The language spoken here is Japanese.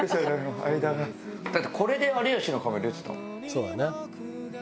「そうだな」